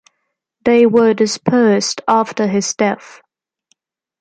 They were dispersed after his death.